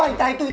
itu pak reet